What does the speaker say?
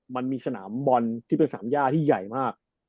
มันมีสนามบอลที่เป็นสนามย่าที่ใหญ่มาก